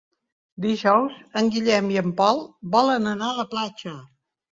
Dijous en Guillem i en Pol volen anar a la platja.